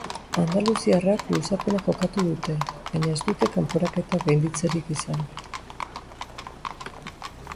Andaluziarrak luzapena jokatu dute, baina ez dute kanporaketa gainditzerik izan.